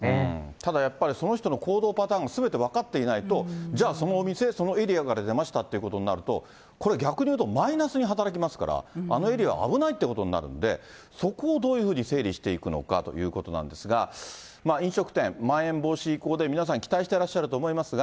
ただやっぱり、その人の行動パターン全て分かっていないと、じゃあそのお店、そのエリアから出ましたということになると、これ、逆に言うとマイナスに働きますから、あのエリア危ないということになるんで、そこをどういうふうに整理していくのかということなんですが、飲食店、まん延防止移行で皆さん期待してらっしゃると思いますが。